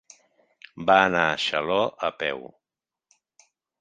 Va anar a Xaló a peu.